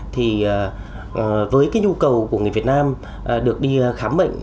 thì với cái nhu cầu của người việt nam được đi khám bệnh